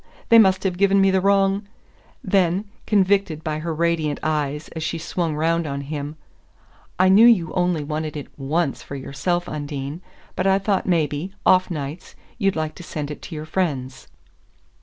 They must have given me the wrong !" Then, convicted by her radiant eyes as she swung round on him: "I knew you only wanted it ONCE for yourself. Undine; but I thought maybe, off nights, you'd like to send it to your friends."